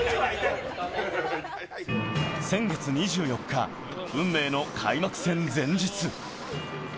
先月２４日、運命の開幕戦前日。